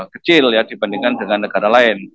kecil ya dibandingkan dengan negara lain